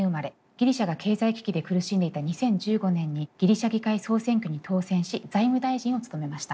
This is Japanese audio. ギリシャが経済危機で苦しんでいた２０１５年にギリシャ議会総選挙に当選し財務大臣を務めました。